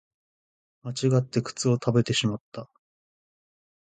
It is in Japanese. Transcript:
間違って靴を食べてしまった